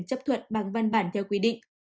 chấp thuận bằng văn bản theo quy định